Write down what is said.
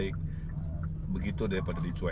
ingin lihat di depan